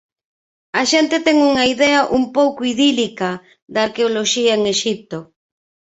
A xente ten unha idea un pouco idílica da arqueoloxía en Exipto.